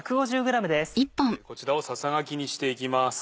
こちらをささがきにしていきます。